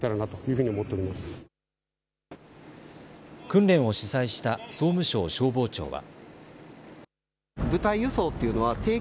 訓練を主催した総務省消防庁は。